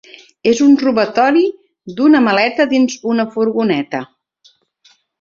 És un robatori d’una maleta dins una furgoneta.